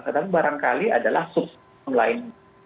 tetapi barangkali adalah susun lain